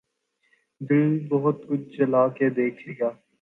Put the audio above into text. دل بہت کچھ جلا کے دیکھ لیا